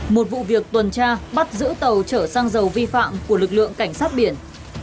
một vụ việc tuần tra bắt giữ tàu chở xăng dầu vi phạm của lực lượng cảnh sát biển